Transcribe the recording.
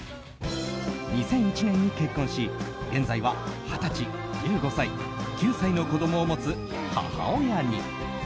２００１年に結婚し現在は２０歳、１５歳、９歳の子供を持つ母親に。